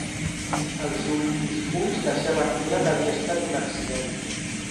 Els últims fulls deixaven clar que havia estat un accident.